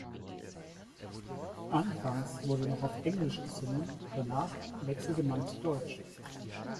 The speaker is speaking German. Anfangs wurde noch auf Englisch gesungen, danach wechselte man zu Deutsch.